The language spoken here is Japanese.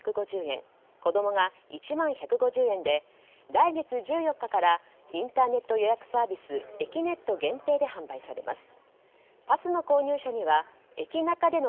子供が１万１５０円で来月１４日からインターネット予約サービスえきねっと限定で販売されます。